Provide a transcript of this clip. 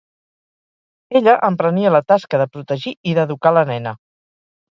Ella emprenia la tasca de protegir i d’educar la nena.